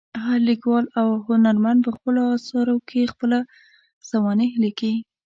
هر لیکوال او هنرمند په خپلو اثرو کې خپله سوانح لیکي.